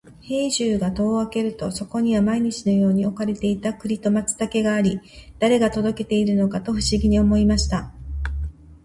兵十が戸を開けると、そこには毎日のように置かれていた栗と松茸があり、誰が届けているのかと不思議に思いました。